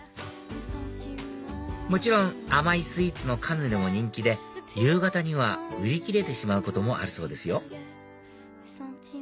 もちろん甘いスイーツのカヌレも人気で夕方には売り切れてしまうこともあるそうですよ